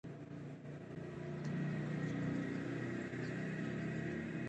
اقتصاد دوه اصلي څانګې لري: خرد او کلان.